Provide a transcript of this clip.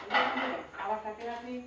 selamat malam bu